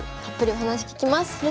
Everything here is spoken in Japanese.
たっぷりお話聞きます。